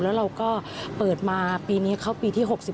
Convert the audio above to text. แล้วเราก็เปิดมาปีนี้เข้าปีที่๖๔